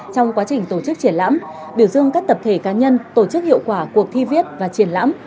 trong quá trình tổ chức triển lãm biểu dương các tập thể cá nhân tổ chức hiệu quả cuộc thi viết và triển lãm